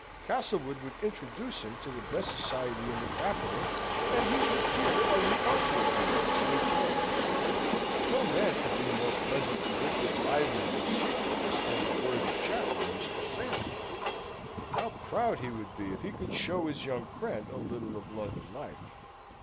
Castlewood would introduce him to the best society in the capital, and he would appear as he ought to appear at St. James's. No man could be more pleasant, wicked, lively, obsequious than the worthy chaplain, Mr. Sampson. How proud he would be if he could show his young friend a little of London life!